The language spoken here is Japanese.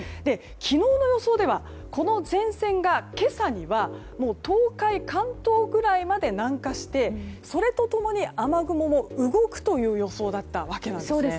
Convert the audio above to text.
昨日の予想ではこの前線が、今朝には東海、関東ぐらいまで南下してそれと共に雨雲も動くという予想だったわけなんですね。